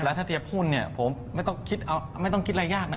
และถ้าเทียบหุ้นเนี่ยไม่ต้องคิดอะไรยากนะ